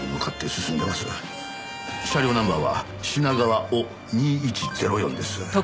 車両ナンバーは「品川お２１‐０４」です。